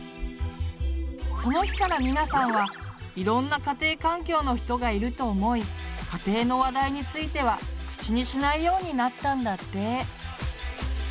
その日からミナさんはいろんな家庭環境の人がいると思い「家庭の話題」については口にしないようになったんだって。